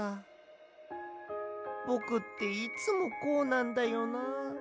ぼくっていつもこうなんだよな。